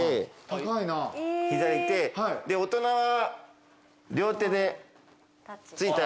で大人は。